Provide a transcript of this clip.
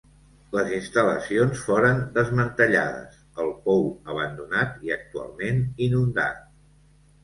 Les instal·lacions foren desmantellades, el pou abandonat i actualment inundat.